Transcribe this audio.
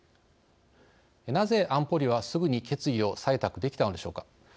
なぜ、安保理はすぐに決議を採択できたのでしょうか。